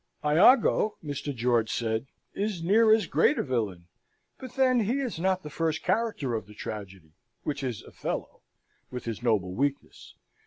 Iago, Mr. George said, is near as great a villain; but then he is not the first character of the tragedy, which is Othello, with his noble weakness.